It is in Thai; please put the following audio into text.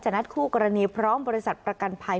นัดคู่กรณีพร้อมบริษัทประกันภัย